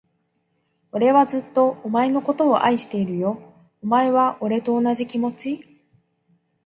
俺はずっと、お前のことを愛してるよ。お前は、俺と同じ気持ち？